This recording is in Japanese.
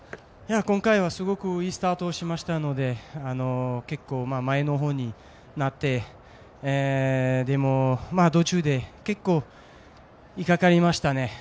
今回はすごくいいスタートをしましたので結構、前のほうになって道中で結構、引っ掛かりましたね。